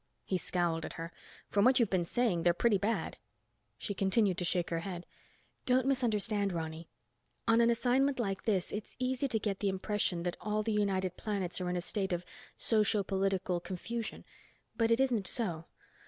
he scowled at her. "From what you've been saying, they're pretty bad." She continued to shake her head. "Don't misunderstand, Ronny. On an assignment like this, it's easy to get the impression that all the United Planets are in a state of socio political confusion, but it isn't so.